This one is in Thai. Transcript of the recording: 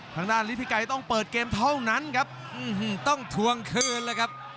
ทางด้านฤทธิไกรต้องเปิดเกมเท่านั้นครับต้องทวงคืนเลยครับ